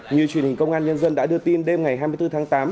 như truyền hình công an nhân dân đã đưa tin đêm ngày hai mươi bốn tháng tám